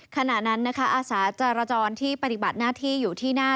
ขณะนั้นนะคะอาสาจรจรที่ปฏิบัติหน้าที่อยู่ที่หน้า